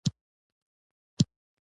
بهر یې چې وکتل هېڅوک نسته.